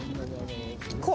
こう？